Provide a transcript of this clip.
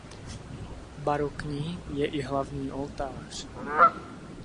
Barokní je i hlavní oltář.